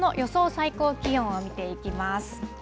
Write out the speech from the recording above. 最高気温を見ていきます。